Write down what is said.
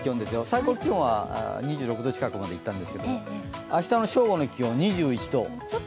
最高気温は２６度近くまでいったんですけれども、明日の正午の気温２１度。